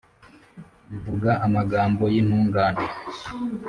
Mvuga amagambo y'intungane!